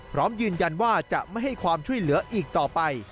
พร้อมยืนยันว่าจะไม่ให้ความช่วยเหลืออีกต่อไป